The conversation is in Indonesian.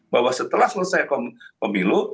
bahwa setelah selesai pemilu